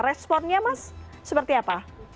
responnya mas seperti apa